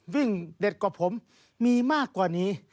เด็ดกว่าผมมีมากกว่านี้